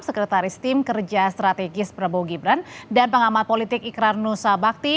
sekretaris tim kerja strategis prabowo gibran dan pengamat politik ikrar nusa bakti